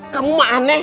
kamu mah aneh